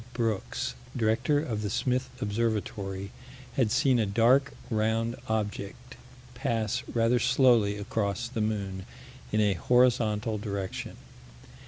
Brooks, director of the Smith Observatory, had seen a dark round object pass rather slowly across the moon, in a horizontal direction.